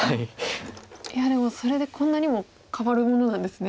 いやでもそれでこんなにも変わるものなんですね